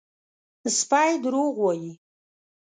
_سپی دروغ وايي!